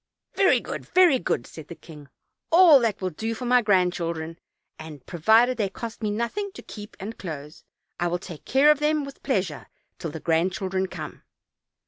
"Very good, very good," said the king, "all that will do for my grandchildren, and provided they cost me nothing to keep and clothe, I will take care of them with pleasure till the grandchildren come."